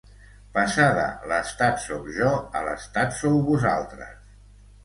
Passar de ‘l’estat sóc jo a l’estat sou vosaltres’